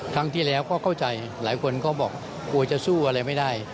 ครั้งที่แล้วก็เข้าใจหลายคนก็บอกกลัวจะสู้อะไรไม่ได้